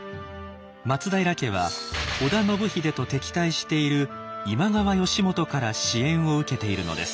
松平家は織田信秀と敵対している今川義元から支援を受けているのです。